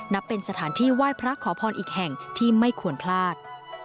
เป็นสถานที่ไหว้พระขอพรอีกแห่งที่ไม่ควรพลาด